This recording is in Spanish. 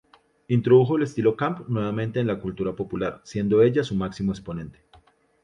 Introdujo el estilo "camp" nuevamente en la cultura popular, siendo ella su máximo exponente.